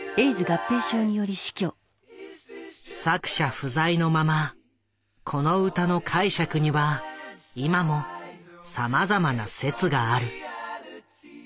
作者不在のままこの歌の解釈には今もさまざまな説がある。